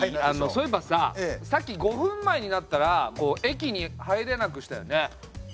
そういえばささっき５分前になったら駅に入れなくしたよね。